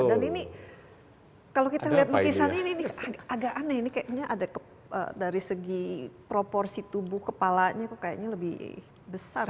dan ini kalau kita lihat lukisannya ini agak aneh ini kayaknya ada dari segi proporsi tubuh kepalanya kok kayaknya lebih besar ya